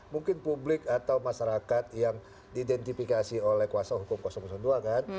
mungkin publik atau masyarakat yang diidentifikasi oleh kuasa hukum dua kan